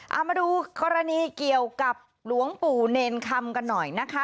เอามาดูกรณีเกี่ยวกับหลวงปู่เนรคำกันหน่อยนะคะ